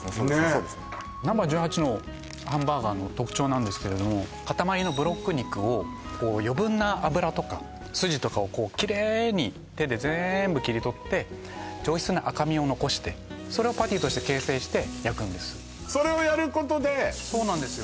そうですねねっＮｏ．１８のハンバーガーの特徴なんですけれども塊のブロック肉を余分な脂とか筋とかをキレイに手で全部切り取って上質な赤身を残してそれをパティとして形成して焼くんですそれをやることでそうなんですよ